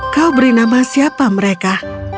kau beri nama siapa mereka